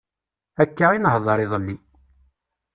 Akka i nehder iḍelli.